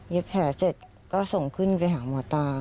แผลเสร็จก็ส่งขึ้นไปหาหมอตา